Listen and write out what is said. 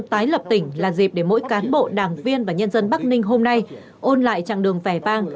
tái lập tỉnh là dịp để mỗi cán bộ đảng viên và nhân dân bắc ninh hôm nay ôn lại chặng đường vẻ vang